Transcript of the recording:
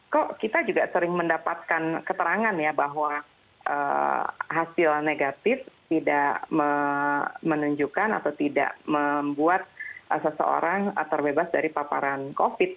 kok kita juga sering mendapatkan keterangan ya bahwa hasil negatif tidak menunjukkan atau tidak membuat seseorang terbebas dari paparan covid